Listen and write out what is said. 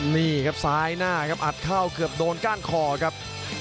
นี่ครับซ้ายหน้าครับอัดเข้าเกือบโดนก้านคอครับ